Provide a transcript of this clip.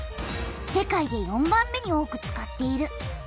世界で４番目に多く使っている。